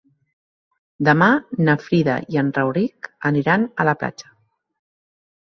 Demà na Frida i en Rauric aniran a la platja.